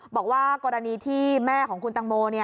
บอกว่ากรณีที่แม่ของคุณตังโม